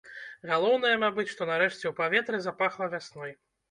Галоўнае, мабыць, што нарэшце ў паветры запахла вясной.